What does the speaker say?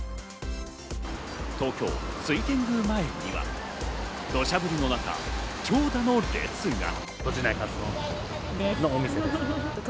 東京・水天宮前には土砂降りの中、長蛇の列が。